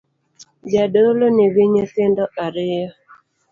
Jadolo nigi nyithindo ariyo